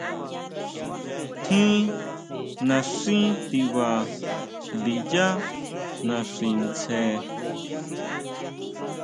Tjín naxí tiba ndiyá naxi tsjen.